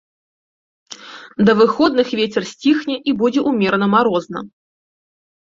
Да выходных вецер сціхне і будзе ўмерана марозна.